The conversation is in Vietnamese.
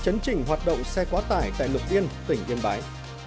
chấn chỉnh hoạt động xe quá tải tại lục yên tỉnh yên bái